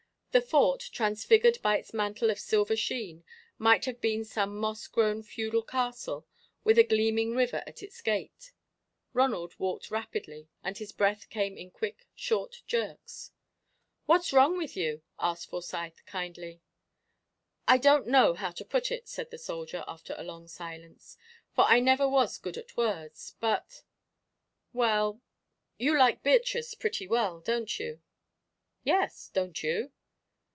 The Fort, transfigured by its mantle of silver sheen, might have been some moss grown feudal castle, with a gleaming river at its gate. Ronald walked rapidly, and his breath came in quick, short jerks. "What's gone wrong with you?" asked Forsyth, kindly. "I don't know how to put it," said the soldier, after a long silence, "for I never was good at words; but, well, you like Beatrice pretty well, don't you?" "Yes, don't you?"